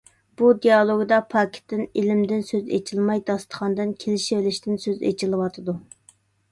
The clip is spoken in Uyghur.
بۇ دېئالوگدا پاكىتتىن، ئىلىمدىن سۆز ئېچىلماي داستىخاندىن، كېلىشۋېلىشتىن سۆز ئىچىلىۋاتىدۇ.